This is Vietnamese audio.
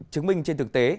chứng minh trên thực tế